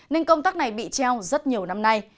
nên công tác này bị treo rất nhiều năm nay